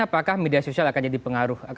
apakah media sosial akan jadi pengaruh